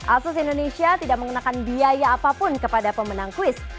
asus indonesia tidak mengenakan biaya apapun kepada pemenang kuis